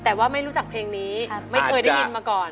แต่ว่าไม่รู้จักเพลงนี้ไม่เคยได้ยินมาก่อน